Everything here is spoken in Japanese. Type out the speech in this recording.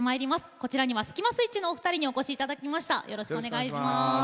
こちらにはスキマスイッチのお二人にお越しいただきました。